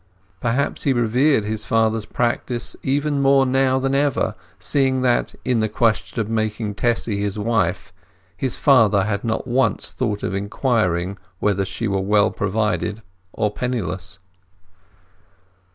Perhaps he revered his father's practice even more now than ever, seeing that, in the question of making Tessy his wife, his father had not once thought of inquiring whether she were well provided or penniless.